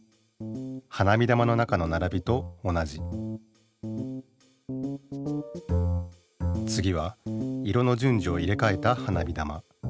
花火玉の中のならびと同じつぎは色の順序を入れかえた花火玉。